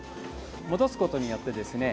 戻すことによってですね